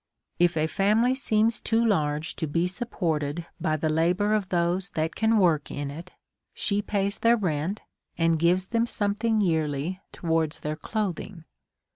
If a family seems too large to be supported by the labour of those that can work in it, she pays their rent, and gives them something yearly towards their cloth ing.